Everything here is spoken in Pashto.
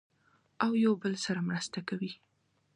او یو بل سره مرسته کوي.